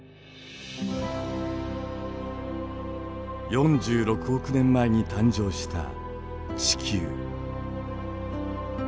４６億年前に誕生した地球。